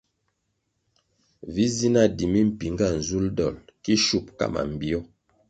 Vi zi na di mimpinga nzulʼ dolʼ ki shup ka mambpio.